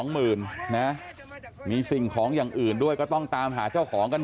หมื่นนะมีสิ่งของอย่างอื่นด้วยก็ต้องตามหาเจ้าของกัน